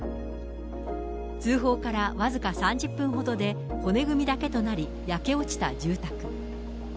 通報から僅か３０分ほどで、骨組みだけとなり、焼け落ちた住宅。